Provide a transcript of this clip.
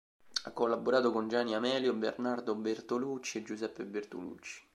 Ha collaborato con Gianni Amelio, Bernardo Bertolucci e Giuseppe Bertolucci.